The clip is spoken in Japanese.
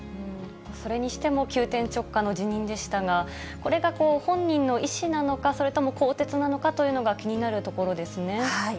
それにしても、急転直下の辞任でしたが、これが本人の意思なのか、それとも更迭なのかというのが気になるところですね。